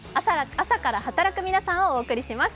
朝から働く皆さんをお送りします。